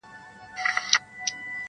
بس پردی وم بس بی واکه وم له ځانه -